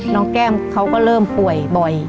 แก้มเขาก็เริ่มป่วยบ่อย